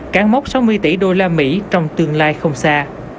cán mốc sáu mươi tỷ usd trong tương lai không xa